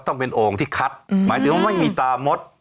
ต้องเป็นโอ่งที่คัดหมายถึงว่าไม่มีตามด